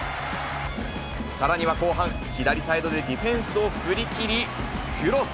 さらには後半、左サイドでディフェンスを振り切り、クロス。